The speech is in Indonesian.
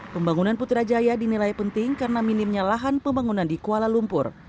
pembangunan putrajaya dinilai penting karena minimnya lahan pembangunan di kuala lumpur